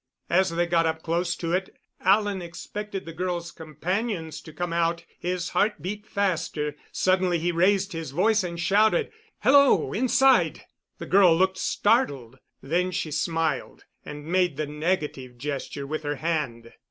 As they got up close to it Alan expected the girl's companions to come out. His heart beat faster. Suddenly he raised his voice and shouted: "Hello, inside!" The girl looked startled. Then she smiled and made the negative gesture with her hand.